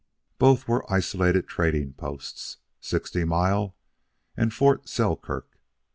Both were isolated trading posts, Sixty Mile and Fort Selkirk.